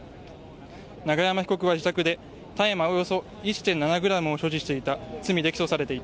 永山被告は自宅で大麻およそ１．７ｇを所持していた罪で起訴され